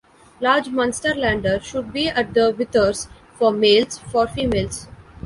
Large Munsterlander should be at the withers for males, for females.